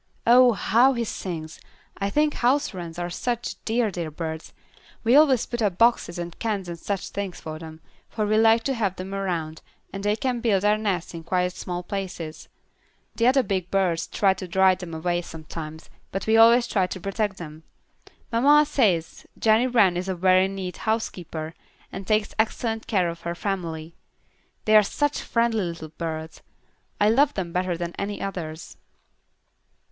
Oh, how he sings! I think house wrens are such dear, dear birds. We always put up boxes and cans and such things for them, for we like to have them around, and they can build their nests in quite small places. The other big birds try to drive them away sometimes, but we always try to protect them. Mamma says Jenny Wren is a very neat housekeeper, and takes excellent care of her family. They are such friendly little birds. I love them better than any others."